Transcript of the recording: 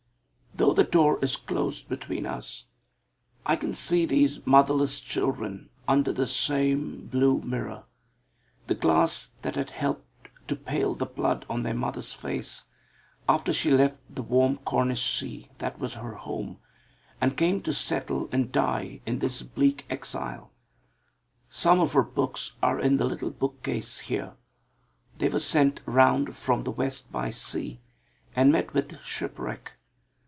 Though the door is closed between us, I can see these motherless children under this same blue mirror the glass that had helped to pale the blood on their mother's face after she left the warm Cornish sea that was her home, and came to settle and die in this bleak exile. Some of her books are in the little bookcase here. They were sent round from the West by sea, and met with shipwreck.